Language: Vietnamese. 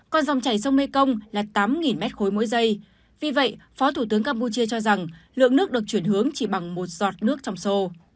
còn dòng chảy sông mekong là tám m ba mỗi giây vì vậy phó thủ tướng campuchia cho rằng lượng nước được chuyển hướng chỉ bằng một giọt nước trong sô